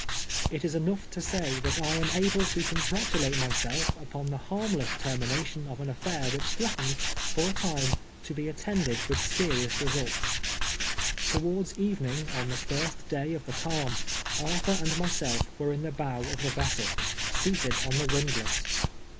It is enougli to say that I am able to congratulate m3 self upon tlie harndess termination of an affair whicli threatened, for a time, to be attended with se rious results. Towards evening, on the first day of the calm, Ar thur and myself were in the bow of the vessel, seat ed on the windlass.